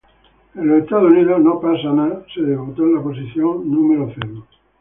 En los Estados Unidos "No matter what" se debutó en la posición No.